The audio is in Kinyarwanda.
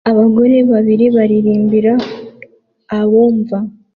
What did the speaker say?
Abagore babiri baririmbira abumva